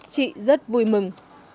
chị rất vui mừng